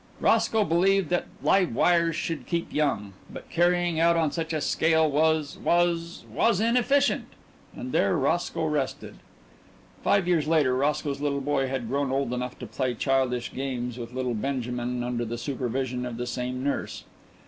Roscoe believed that "live wires" should keep young, but carrying it out on such a scale was was was inefficient. And there Roscoe rested. Five years later Roscoe's little boy had grown old enough to play childish games with little Benjamin under the supervision of the same nurse.